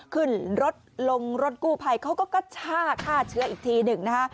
ขึ้นรถลงรถกู้ภัยเขาก็กระชากฆ่าเชื้ออีกทีหนึ่งนะคะ